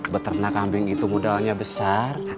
beterna kambing itu mudahnya besar